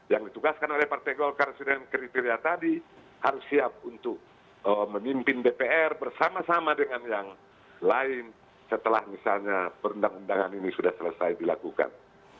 yang ditugaskan oleh partai golkar sudah dengan kriteria tadi harus siap untuk memimpin dpr bersama sama dengan yang lain setelah misalnya perundang undangan ini sudah selesai dilakukan